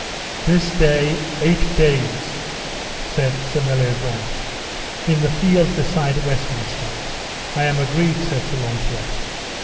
This day eight days, said Sir Meliagrance, in the field beside Westminster. I am agreed, said Sir Launcelot.